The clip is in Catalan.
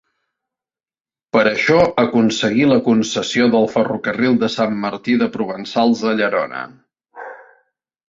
Per això aconseguí la concessió del ferrocarril de Sant Martí de Provençals a Llerona.